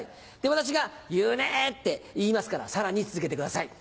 私が「言うねぇ」って言いますからさらに続けてください。